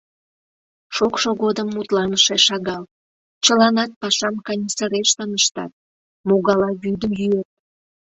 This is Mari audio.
Шокшо годым мутланыше шагал, чыланат пашам каньысырештын ыштат, могала вӱдым йӱыт.